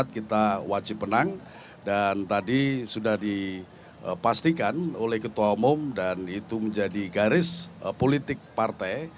kita wajib menang dan tadi sudah dipastikan oleh ketua umum dan itu menjadi garis politik partai